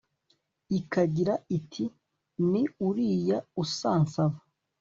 ikagira iti 'ni uriya usansaba'